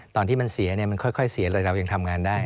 ตอนที่มันเสียมันค่อยเสียเลยเรายังทำงานได้